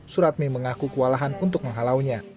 suratmi mengaku kewalahan untuk menghalaunya